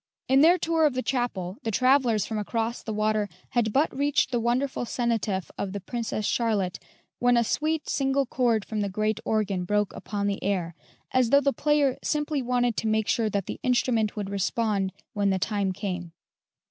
In their tour of the chapel the travellers from across the water had but reached the wonderful cenotaph of the Princess Charlotte, when a sweet single chord from the great organ broke upon the air, as though the player simply wanted to make sure that the instrument would respond when the time came.